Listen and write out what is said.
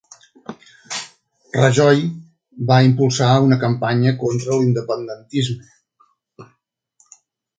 Rajoy va impulsar una campanya contra l'independentisme